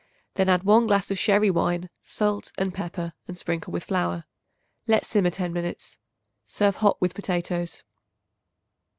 Then add 1 glass of sherry wine, salt and pepper and sprinkle with flour. Let simmer ten minutes. Serve hot with potatoes.